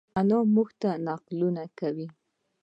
انا مونږ ته نقلونه کوی